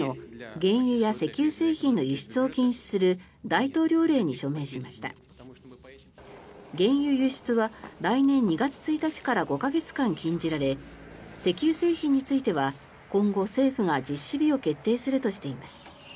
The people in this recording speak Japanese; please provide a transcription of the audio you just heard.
原油輸出は来年２月１日から５か月間禁じられ石油製品については今後、政府が実施日を決定するとしています。